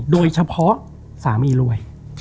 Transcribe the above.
โดยเฉพาะสามีรวย